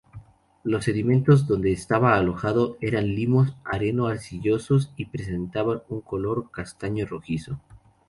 Los sedimentos donde estaba alojado eran limos areno-arcillosos y presentaban un color castaño-rojizo.